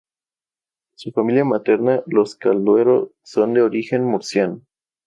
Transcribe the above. Su familia materna, los Casalduero, son de origen murciano.